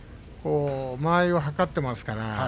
間合いを計っていますから。